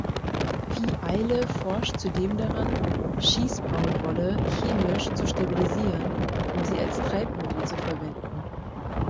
Vieille forschte zudem daran, Schießbaumwolle chemisch zu stabilisieren, um sie als Treibmittel zu verwenden.